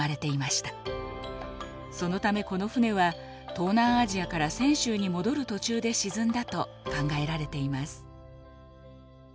そのためこの船は東南アジアから泉州に戻る途中で沈んだと考えられています。